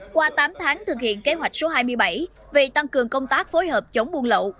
qua tám tháng thực hiện kế hoạch số hai mươi bảy về tăng cường công tác phối hợp chống buôn lậu